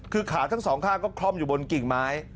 คือขาดทั้ง๒ข้าก็คล่อมบนกิ่งไม้